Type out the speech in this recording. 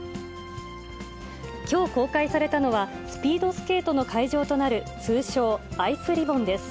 きょう公開されたのは、スピードスケートの会場となる通称、アイスリボンです。